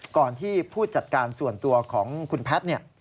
ก่อนที่ผู้จัดการส่วนตัวของคุณแพทย์เนี่ย